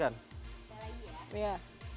sekali lagi ya